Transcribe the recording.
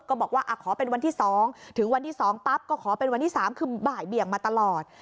บอกว่าขอเป็นวันที่๒ถึงวันที่๒ปั๊บก็ขอเป็นวันที่๓คือบ่ายเบี่ยงมาตลอด